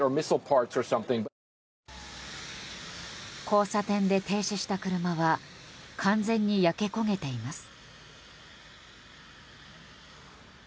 交差点で停止した車は完全に焼け焦げています。